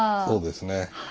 そうですね。